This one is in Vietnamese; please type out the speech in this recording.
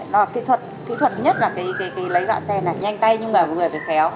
đó là kỹ thuật kỹ thuật nhất là cái lấy gạo sen này nhanh tay nhưng mà người phải khéo